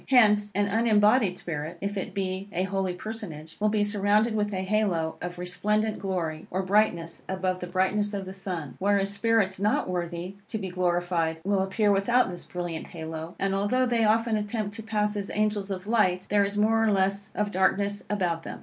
Hence, an unembodied spirit, if it be a holy personage, will be surrounded with a halo of resplendent glory, or brightness, above the brightness of the sun. Whereas, spirits not worthy to be glorified will appear without this brilliant halo; and, although they often attempt to pass as angels of light, there is more or less of darkness about them.